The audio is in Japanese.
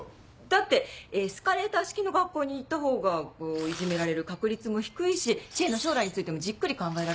だってエスカレーター式の学校に行ったほうがいじめられる確率も低いし知恵の将来についてもじっくり考えられるでしょ。